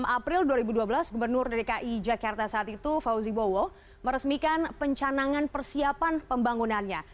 dua puluh april dua ribu dua belas gubernur dki jakarta saat itu fauzi bowo meresmikan pencanangan persiapan pembangunannya